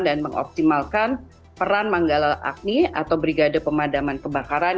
dan mengoptimalkan peran manggala agni atau brigade pemadaman kebakaran